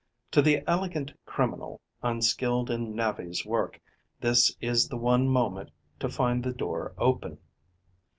To the elegant criminal, unskilled in navvy's work, this is the one moment to find the door open.